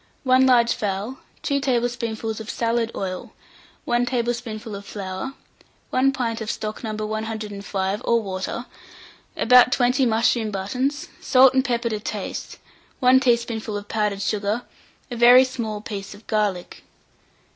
1 large fowl, 4 tablespoonfuls of salad oil, 1 tablespoonful of flour, 1 pint of stock No. 105, or water, about 20 mushroom buttons, salt and pepper to taste, 1 teaspoonful of powdered sugar, a very small piece of garlic.